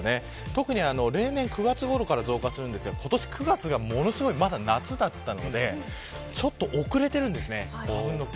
特に、例年９月ごろから増加しますが今年９月はまだものすごい夏だったのでちょっと遅れているんです。